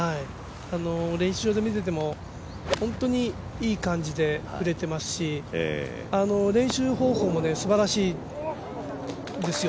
練習で見てても、本当にいい感じで振れていますし練習方法もすばらしいんですよ。